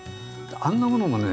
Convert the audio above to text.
あんなものもね